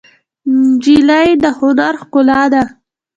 نجلۍ د هنر ښکلا ده.